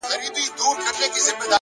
هره تجربه د انسان شکل بیا جوړوي.